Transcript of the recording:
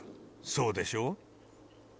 そうでしょう？